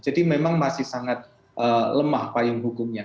jadi memang masih sangat lemah payung hukumnya